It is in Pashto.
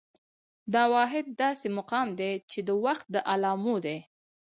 دا واحد داسې مقام دى، چې د وخت د علامو دى